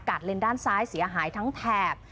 เลนด้านซ้ายเสียหายทั้งแถบ